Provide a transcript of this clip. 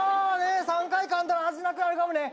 ３回かんだら味なくなるガムね。